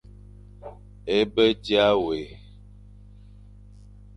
É be dia wé,